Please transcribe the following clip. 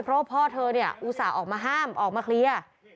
เพราะว่าพ่อเธอเนี่ยอุตส่าห์ออกมาห้ามออกมาเคลียร์